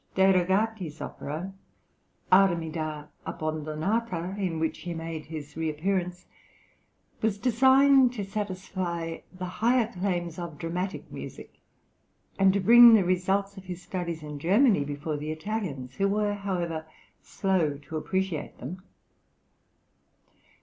De Rogatis' opera "Armida Abbandonata," in which he made his reappearance, was designed to satisfy the higher claims of dramatic music, and to bring the results of his studies in Germany before the Italians, who were, however, slow to appreciate them.